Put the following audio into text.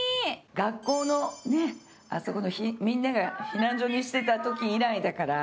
学校のねあそこのみんなが避難所にしてた時以来だから。